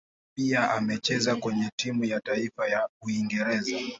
Pia amecheza kwenye timu ya taifa ya Uingereza.